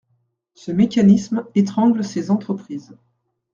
Ce mécanisme étrangle ces entreprises.